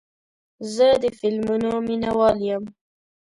زه د فلمونو مینهوال یم.